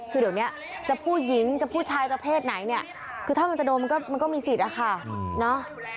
คือเดี๋ยวนี้จะผู้หญิงจะผู้ชายจะเพศไหนเนี่ยคือถ้ามันจะโดนมันก็มีสิทธิ์อะค่ะ